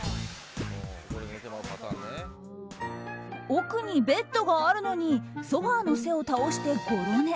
奥にベッドがあるのにソファの背を倒して、ごろ寝。